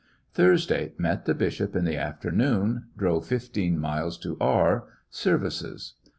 Thursday. Met the bishop in the after noon. Drove fifteen miles to E . Services.